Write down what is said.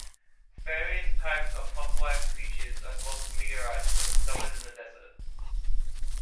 Various types of fossilized creatures as well as meteorites were discovered in the desert.